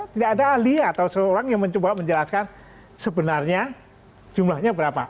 tidak ada ahli atau seorang yang mencoba menjelaskan sebenarnya jumlahnya berapa